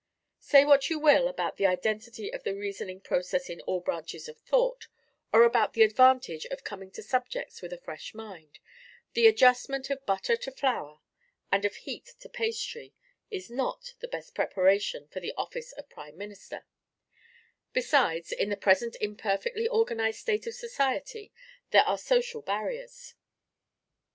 Say what you will about the identity of the reasoning process in all branches of thought, or about the advantage of coming to subjects with a fresh mind, the adjustment of butter to flour, and of heat to pastry, is not the best preparation for the office of prime minister; besides, in the present imperfectly organized state of society, there are social barriers.